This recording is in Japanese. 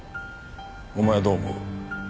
お前はどう思う？